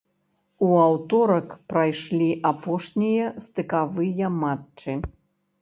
У аўторак прайшлі апошнія стыкавыя матчы.